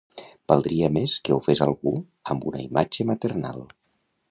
Valdria més que ho fes algú amb una imatge maternal.